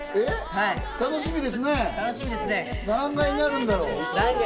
何階になるんだろう？